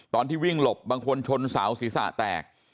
ตอนที่วิ่งหลบบางคนชนเสาศีรษะแตก